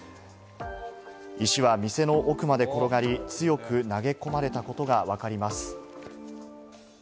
石は店の奥まで転がり、強く投げ込まれたことがわかります。